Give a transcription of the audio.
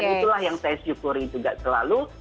dan itulah yang saya syukuri juga selalu